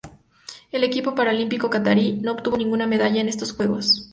El equipo paralímpico catarí no obtuvo ninguna medalla en estos Juegos.